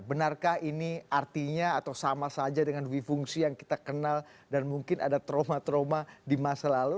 benarkah ini artinya atau sama saja dengan duifungsi yang kita kenal dan mungkin ada trauma trauma di masa lalu